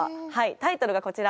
タイトルがこちら。